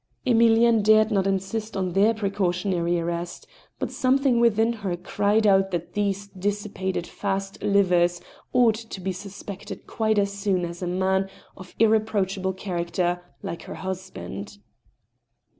Emilienne dared not insist on their precau tionary arrest, but something within her cried out that these dissi pated fast livers ought to be suspected quite as soon as a man of irreproachable character, like her husband.